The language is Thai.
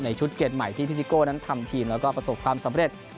ชุดเกณฑ์ใหม่ที่พี่ซิโก้นั้นทำทีมแล้วก็ประสบความสำเร็จ